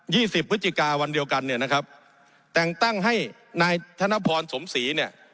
สิบพฤศจิกาวันเดียวกันเนี่ยนะครับแต่งตั้งให้นายธนพรสมศรีเนี่ย